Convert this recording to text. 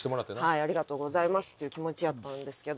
ありがとうございますっていう気持ちやったんですけど。